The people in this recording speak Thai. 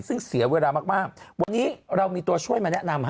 ซึ่งเสียเวลามากวันนี้เรามีตัวช่วยมาแนะนำ